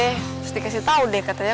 terus dikasih tahu deh katanya